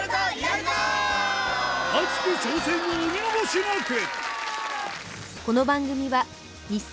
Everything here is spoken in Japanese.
熱き挑戦をお見逃しなく！